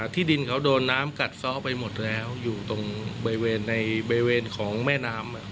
ที่ดินเขาโดนน้ำกัดซ้อไปหมดแล้วอยู่ตรงบริเวณในบริเวณของแม่น้ำ